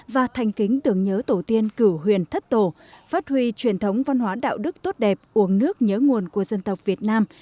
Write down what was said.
và thành kính tưởng nhớ tổ tiên cử huyền thất tổ phát huy truyền thống văn hóa đạo đức tốt đẹp uống nước nhớ nguồn của dân tộc việt nam